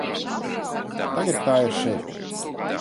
Tagad tā ir šeit.